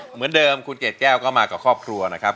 เหมือนเดิมคุณเกดแก้วก็มากับครอบครัวนะครับ